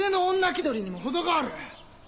気取りにも程がある！